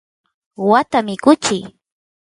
waata mikuchiy